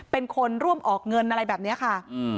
เป็นคนร่วมออกเงินอะไรแบบนี้ค่ะ